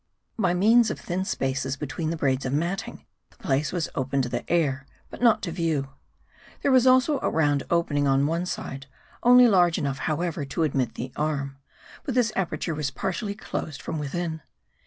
BY means of thin spaces between the braids of matting, the place was open to the air, but not to view. There was also a round opening on one side, only large enough, how ever, to admit the arm ; but this aperture was partially closed from within.